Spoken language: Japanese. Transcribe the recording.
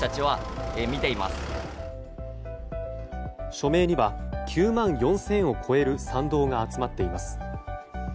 署名には９万４０００を超える賛同が集まっています。